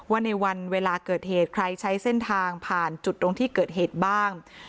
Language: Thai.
ว่าในวันเวลาเกิดเหตุใครใช้เส้นทางผ่านจุดตรงที่เกิดเหตุบ้าง